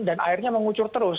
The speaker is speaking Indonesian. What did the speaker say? dan airnya mengucur terus